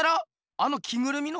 あの着ぐるみの？